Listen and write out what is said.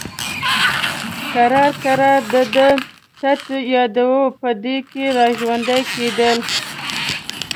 کرار کرار د ده تت یادونه په ده کې را ژوندي کېدل.